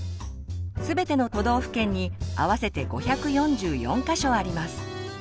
全ての都道府県に合わせて５４４か所あります。